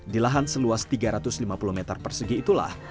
di lahan seluas tiga ratus lima puluh meter persegi itulah